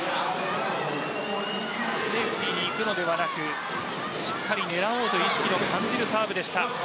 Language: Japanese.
セーフティーにいくのではなくしっかり狙おうという意識を感じるサーブでした。